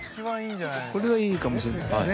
これはいいかもしれないですね。